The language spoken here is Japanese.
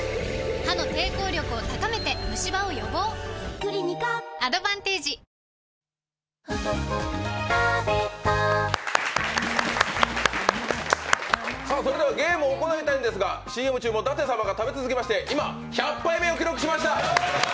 クリニカアドバンテージそれではゲームを行いたいんですがＣＭ中も舘様が食べ続けまして今、１００杯目を記録しました。